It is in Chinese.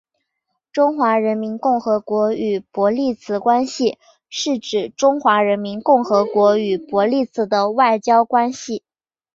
中华人民共和国与伯利兹关系是指中华人民共和国与伯利兹的外交关系。